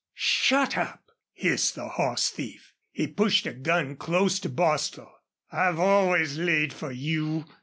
"Shut up!" hissed the horse thief. He pushed a gun close to Bostil. "I've always laid fer you!